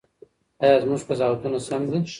ایا زموږ قضاوتونه سم دي؟